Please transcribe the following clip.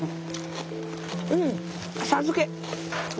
うん浅漬け。